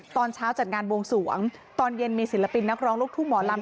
ตอนเช้าจัดงานบวงสวงตอนเย็นมีศิลปินนักร้องลูกทุ่งหมอลำ